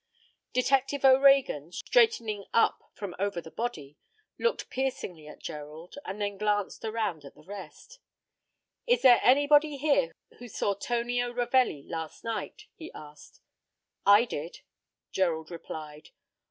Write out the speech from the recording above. Detective O'Reagan, straightening up from over the body, looked piercingly at Gerald, and then glanced around at the rest. "Is there anybody here who saw Tonio Ravelli last night?" he asked. "I did," Gerald replied.